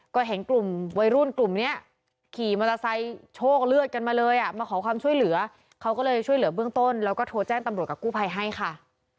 กับกู้ภัยให้ค่ะ